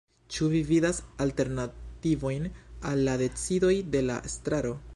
Ĉu vi vidas alternativojn al la decidoj de la estraro?